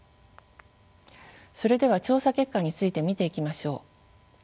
それでは調査結果について見ていきましょう。